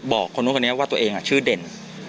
ไปบอกคนละคนนี้ว่าตัวเองชื่อเด่น